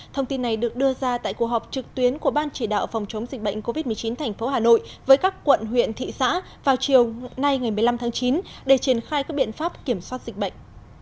thông tin này được đưa ra tại cuộc họp trực tuyến của ban chỉ đạo phòng chống dịch bệnh covid một mươi chín thành phố hà nội với các quận huyện thị xã vào chiều nay ngày một mươi năm tháng chín để triển khai các biện pháp kiểm soát dịch bệnh